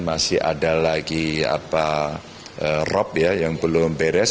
masih ada lagi rob ya yang belum beres